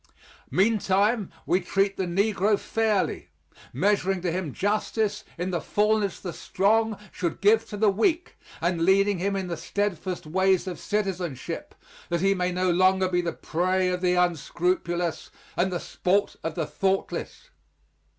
Meantime we treat the negro fairly, measuring to him justice in the fulness the strong should give to the weak, and leading him in the steadfast ways of citizenship, that he may no longer be the prey of the unscrupulous and the sport of the thoughtless.